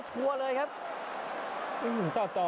จังหวะสองทิสองโด